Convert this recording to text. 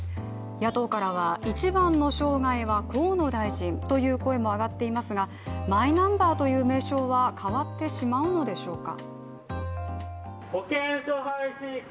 野党からは、一番の障害は河野大臣という声も上がっていますがマイナンバーという名称は変わってしまうんでしょうか。